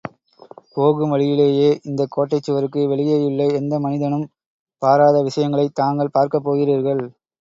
போகும் வழியிலேயே இந்தக் கோட்டைச் சுவருக்கு வெளியேயுள்ள எந்த மனிதனும் பாராத விஷயங்களைத் தாங்கள் பார்க்கப் போகிறீர்கள்.